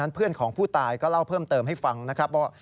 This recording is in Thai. เพื่อนของผู้ตายก็เล่าเพิ่มเติมให้ฟังนะครับว่า